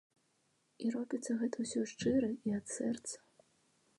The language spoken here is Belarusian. І робіцца гэта ўсё шчыра і ад сэрца.